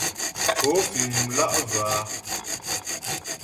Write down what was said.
Pó fíŋ mlǎ'və a ?